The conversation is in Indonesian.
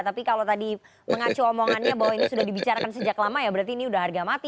tapi kalau tadi mengacu omongannya bahwa ini sudah dibicarakan sejak lama ya berarti ini sudah harga mati